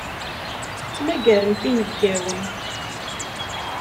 Tettmagaremt inebgawen.